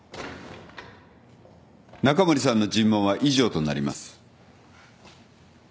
中森さんの尋問は以上となります。